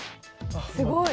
すごい。